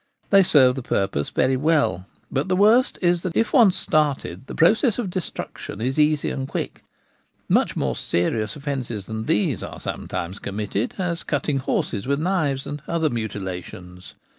They serve the purpose very well, but the worst is that if once started the process of destruction is easy and quick. Much more serious offences than these are sometimes committed, as cutting horses with knives, and other mutilations.